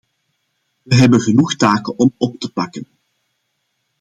We hebben genoeg taken om op te pakken.